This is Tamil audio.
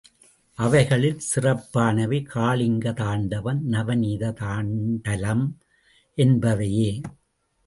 அவைகளில் சிறப்பானவை காளிங்க தாண்டவம், நவநீத தாண்டலம் என்பவையே.